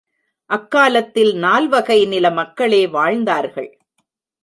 அக்காலத்தில் நால்வகை நில மக்களே வாழ்ந்தார்கள்.